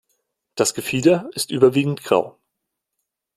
Das Gefieder ist überwiegend grau.